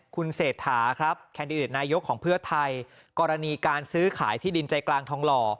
คุณเศรษฐาครับแคนดิเดตนายกของเพื่อไทยกรณีการซื้อขายที่ดินใจกลางทองหล่อ